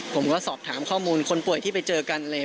ผมก็สอบถามข้อมูลคนป่วยที่ไปเจอกันเลย